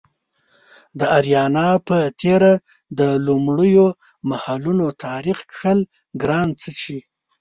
د اریانا په تیره د لومړیو مهالونو تاریخ کښل ګران څه چې